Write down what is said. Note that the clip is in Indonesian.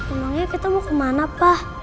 emangnya kita mau kemana pak